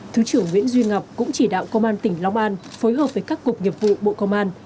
thứ trưởng nguyễn duy ngọc cũng chỉ đạo công an tỉnh long an phối hợp với các cục nghiệp vụ bộ công an